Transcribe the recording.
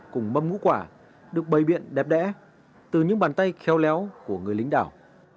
cùng mâm ngũ quả được bày biện đẹp đẽ từ những bàn tay kheo léo của người lính đảo